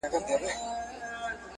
او که یې نه کوي